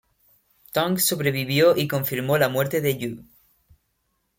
Tung sobrevivió y confirmó la muerte de Yue.